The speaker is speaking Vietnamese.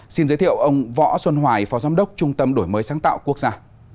xin giới thiệu ông võ xuân hoài phó giám đốc trung tâm đổi mới sáng tạo quốc gia